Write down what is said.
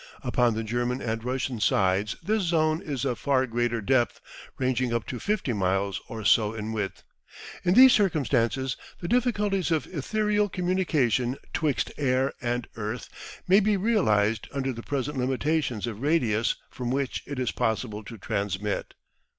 Upon the German and Russian sides this zone is of far greater depth, ranging up to 50 miles or so in width. In these circumstances the difficulties of ethereal communication 'twixt air and earth may be realised under the present limitations of radius from which it is possible to transmit.